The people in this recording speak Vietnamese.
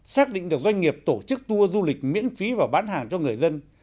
xác định được doanh nghiệp tổ chức tour du lịch miễn phí và bán hàng cho người dân